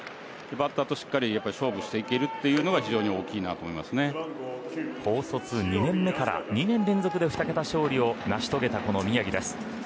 バッターとしっかり勝負していけるというのが非常に高卒２年目から２年連続で２桁勝利を成し遂げたこの宮城です。